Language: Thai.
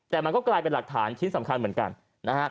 แต่มันก็กลายเป็นหลักฐานชิ้นสำคัญเหมือนกันนะฮะ